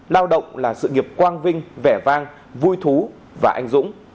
lao động là sự nghiệp quang vinh vẻ vang vui thú và anh dũng